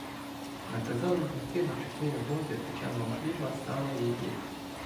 Наказали знести на чотири вози печеного хліба, сала, яєць.